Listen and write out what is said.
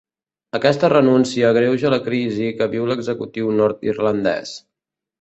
Aquesta renúncia agreuja la crisi que viu l’executiu nord-irlandès.